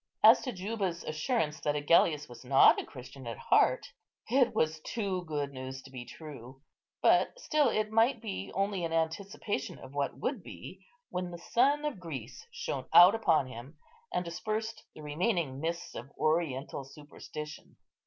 As to Juba's assurance that Agellius was not a Christian at heart, it was too good news to be true; but still it might be only an anticipation of what would be, when the sun of Greece shone out upon him, and dispersed the remaining mists of Oriental superstition.